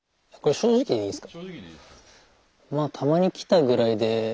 正直でいいです。